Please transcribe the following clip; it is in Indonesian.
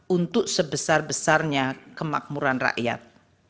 untuk sebesar besarnya kemakmuran rakyat